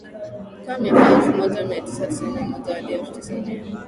ka miaka ya elfu moja mia tisa tisini na moja hadi elfu tisa mia